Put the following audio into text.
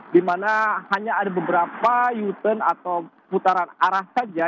di mana hanya ada beberapa uten atau putaran arah saja